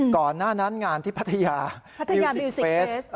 ก่อนหน้านั้นงานที่พัทยายิวซิกเฟส